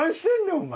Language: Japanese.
お前。